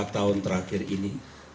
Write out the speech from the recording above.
empat tahun terakhir ini